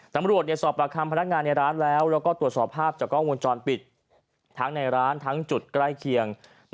ตำรวจสอบประคำพนักงานในร้านแล้วแล้วก็ตรวจสอบภาพจากกล้องวงจรปิดทั้งในร้านทั้งจุดใกล้เคียง